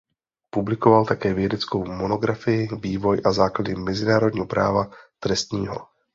Publikoval také vědeckou monografii "Vývoj a základy mezinárodního práva trestního".